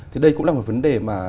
thì đây cũng là một vấn đề mà